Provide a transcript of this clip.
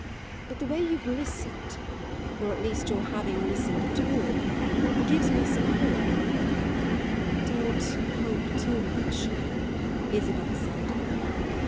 But the way you've listened or at least your having listened at all gives me some hope." "Don't hope too much," Isabel said.